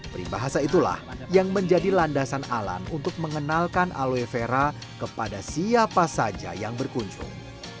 peribahasa itulah yang menjadi landasan alan untuk mengenalkan aloe vera kepada siapa saja yang berkunjung